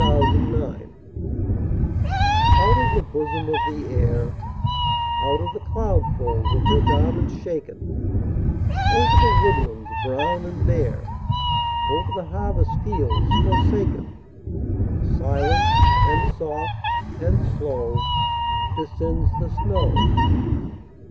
SNOW FLAKES Out of the bosom of the Air, Out of the cloud folds of her garments shaken, Over the woodlands brown and bare, Over the harvest fields forsaken, Silent, and soft, and slow Descends the snow.